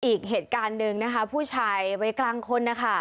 อีกเหตุการณ์หนึ่งนะคะผู้ชายวัยกลางคนนะคะ